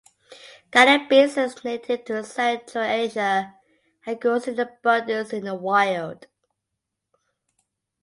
Cannabis is native to Central Asia and grows in abundance in the wild.